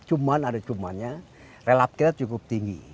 cuman ada cumannya relaksinya cukup tinggi